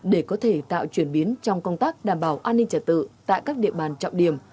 để có thể tạo chuyển biến trong công tác đảm bảo an ninh trả tự tại các địa bàn trọng điểm